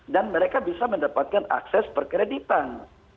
dan mereka bisa mendapatkan akses perkreditan